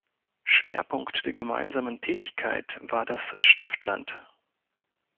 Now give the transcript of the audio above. Schwerpunkt der gemeinsamen Tätigkeit war das Stiftland.